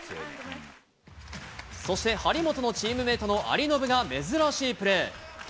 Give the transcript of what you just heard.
そして張本のチームメートの有延が珍しいプレー。